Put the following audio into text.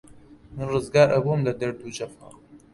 من ڕزگار ئەبووم لە دەرد و جەفا